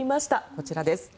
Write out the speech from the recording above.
こちらです。